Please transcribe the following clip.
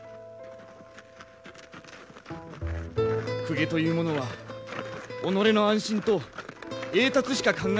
公家というものは己の安心と栄達しか考えぬものなのか。